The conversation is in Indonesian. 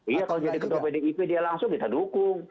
iya kalau jadi ketua pdip dia langsung kita dukung